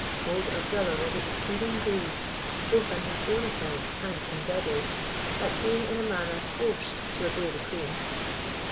Old Abdallah was exceeding grieved, both on his own account and King Beder's, at being in a manner forced to obey the queen.